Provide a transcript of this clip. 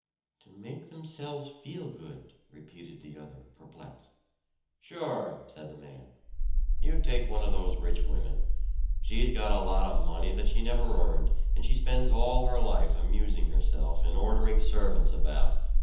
"To make themselves feel good," repeated the other perplexed. "Sure!" said the man. "You take one of those rich women she's got a lot of money that she never earned, and she spends all her life amusing herself and ordering servants about.